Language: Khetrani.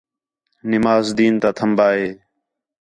نماز دِین تا تھمبا ہے